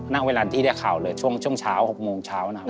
ณเวลาที่ได้ข่าวเลยช่วงเช้า๖โมงเช้านะครับ